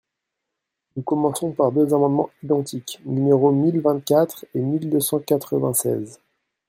Nous commençons par deux amendements identiques, numéros mille vingt-quatre et mille deux cent quatre-vingt-seize.